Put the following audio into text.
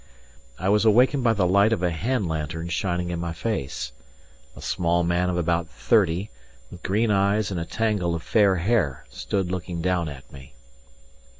I was awakened by the light of a hand lantern shining in my face. A small man of about thirty, with green eyes and a tangle of fair hair, stood looking down at me.